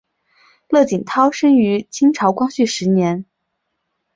乐景涛生于清朝光绪十年。